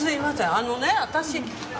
あのね私。